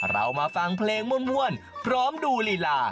เรามาฟังเพลงม่วนพร้อมดูลีลา